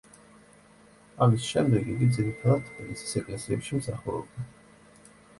ამის შემდეგ იგი ძირითადად თბილისის ეკლესიებში მსახურობდა.